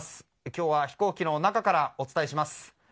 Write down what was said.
今日は飛行機の中からお伝えします。